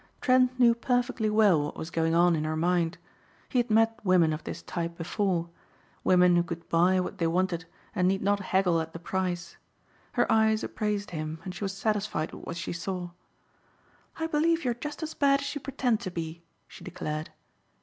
Trent knew perfectly well what was going on in her mind. He had met women of this type before; women who could buy what they wanted and need not haggle at the price. Her eyes appraised him and she was satisfied with what she saw. "I believe you are just as bad as you pretend to be," she declared.